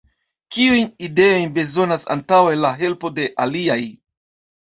Kiujn ideojn bezonas antaŭe la helpo de aliaj?